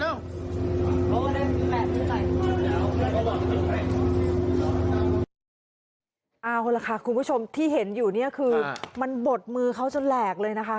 เอาล่ะค่ะคุณผู้ชมที่เห็นอยู่เนี่ยคือมันบดมือเขาจนแหลกเลยนะคะ